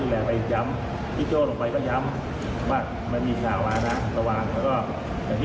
เราไม่ได้สงสัยความทรงกันหรอกนะสงสัยข้อบครัวของคนค่ะ